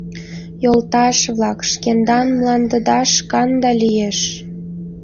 Йолташ-влак, шкендан мландыда шканда лиеш.